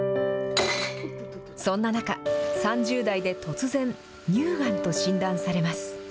そんな中、３０代で突然、乳がんと診断されます。